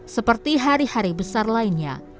seperti hari hari besar lainnya